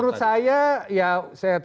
menurut saya ya